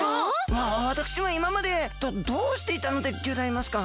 わたくしはいままでどどうしていたんでギョざいますか？